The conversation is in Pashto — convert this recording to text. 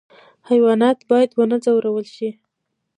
حیوانات باید ونه ځورول شي